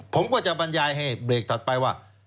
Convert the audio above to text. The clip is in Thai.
ผมก็จะบรรยายให้เบรกถัดไปว่า